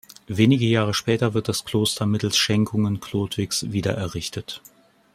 Wenige Jahre später wird das Kloster mittels Schenkungen Chlodwigs wiedererrichtet.